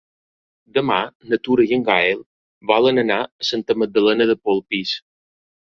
Demà na Tura i en Gaël volen anar a Santa Magdalena de Polpís.